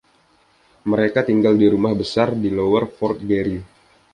Mereka tinggal di "Rumah Besar" di Lower Fort Garry.